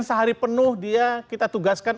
sehari penuh dia kita tugaskan